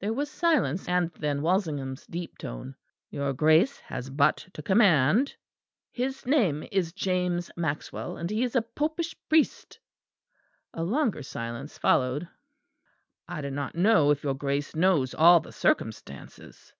There was silence, and then Walsingham's deep tones. "Your Grace has but to command." "His name is James Maxwell, and he is a popish priest." A longer silence followed. "I do not know if your Grace knows all the circumstances."